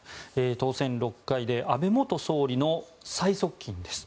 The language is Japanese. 当選６回で安倍元総理の最側近です。